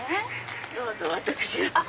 どうぞ私は。